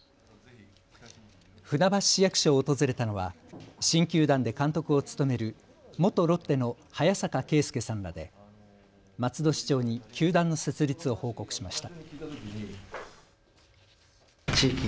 船橋市役所を訪れたのは新球団で監督を務める元ロッテの早坂圭介さんらで松戸市長に球団の設立を報告しました。